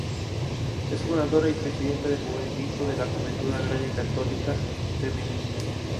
Es fundadora y presidenta del Movimiento de la Juventud Agraria Católica Femenina.